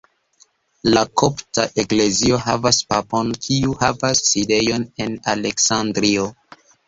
La kopta eklezio havas papon kiu havas sidejon en Aleksandrio.